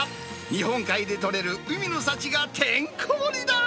日本海で取れる海の幸がてんこ盛りだー。